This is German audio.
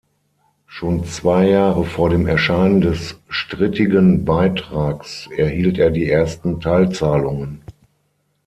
Schon zwei Jahre vor dem Erscheinen des strittigen Beitrags erhielt er die ersten Teilzahlungen.